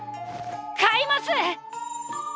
買います！